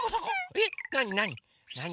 えっなになに？